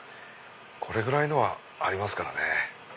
これぐらいのはありますからね。